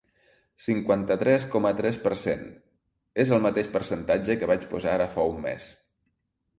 Cinquanta-tres coma tres per cent És el mateix percentatge que vaig posar ara fa un mes.